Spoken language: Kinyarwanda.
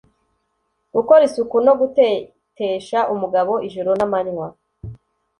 gukora isuku no gutetesha umugabo ijoro n’amanywa